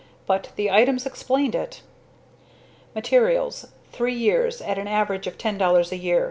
But the items explained it. Materials, three years at an average of $10 a year...